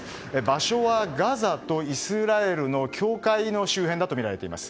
場所はガザとイスラエルの境界の周辺だとみられています。